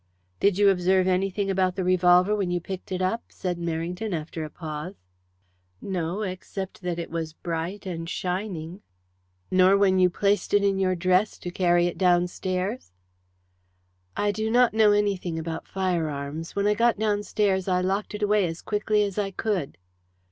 "Did you observe anything about the revolver when you picked it up?" said Merrington after a pause. "No, except that it was bright and shining." "Nor when you placed it in your dress to carry it downstairs?" "I do not know anything about fire arms. When I got downstairs I locked it away as quickly as I could."